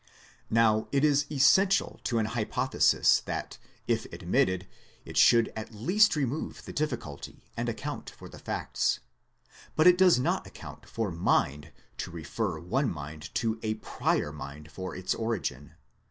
Now it is essen tial to an hypothesis that if admitted it should at least remove the difficulty and account for the facts. But it does not account for Mind to refer one mind to a prior mind for its origin.